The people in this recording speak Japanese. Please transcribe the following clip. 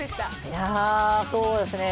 いやそうですね